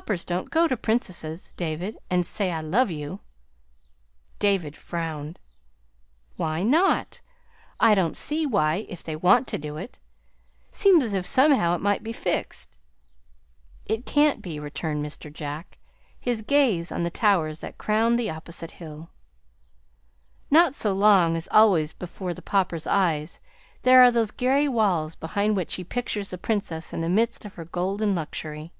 Paupers don't go to Princesses, David, and say, 'I love you.'" David frowned. "Why not? I don't see why if they want to do it. Seems as if somehow it might be fixed." "It can't be," returned Mr. Jack, his gaze on the towers that crowned the opposite hill; "not so long as always before the Pauper's eyes there are those gray walls behind which he pictures the Princess in the midst of her golden luxury."